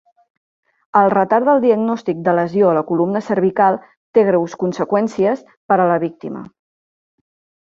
El retard del diagnòstic de lesió a la columna cervical té greus conseqüències per a la víctima.